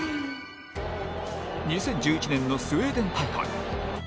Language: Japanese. ２０１１年のスウェーデン大会。